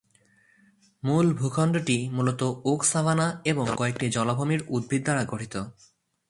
মূল ভূখন্ডটি মূলত ওক সাভানা এবং কয়েকটি জলাভূমির উদ্ভিদ দ্বারা গঠিত।